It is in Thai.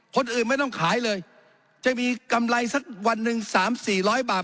คนอื่นไม่ต้องขายเลยจะมีกำไรสักวันหนึ่ง๓๔๐๐บาท